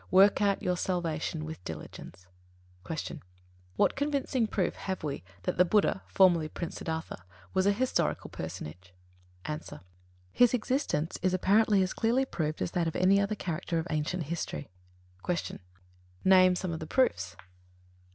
Work out your salvation with diligence." 101. Q. What convincing proof have we that the Buddha, formerly Prince Siddhārtha, was a historical personage? A. His existence is apparently as clearly proved as that of any other character of ancient history. 102. Q. _Name some of the proofs?